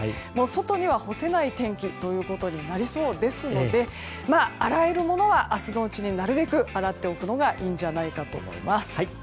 外には干せない天気ということになりそうですので洗えるものは明日のうちになるべく洗っておくのがいいんじゃないかと思います。